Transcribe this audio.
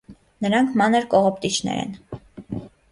Նրանք մանր կողոպտիչներ են։